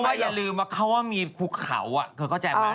เพราะว่าอย่าลืมว่าเขาว่ามีภูเขาเขาเข้าใจไหม